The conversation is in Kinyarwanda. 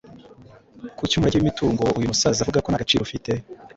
Kuki umurage w’imitungo uyu musaza avuga ko nta gaciro ufite?